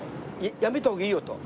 「やめた方がいいよ」と。